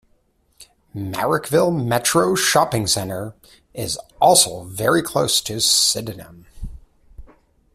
Marrickville Metro Shopping Centre is also very close to Sydenham.